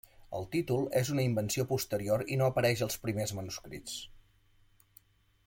El títol és una invenció posterior i no apareix als primers manuscrits.